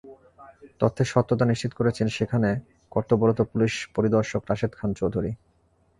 তথ্যের সত্যতা নিশ্চিত করেছেন সেখান কর্তব্যরত পুলিশ পরিদর্শক রাশেদ খান চৌধুরী।